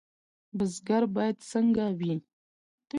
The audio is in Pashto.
بزګر باید څنګه وي؟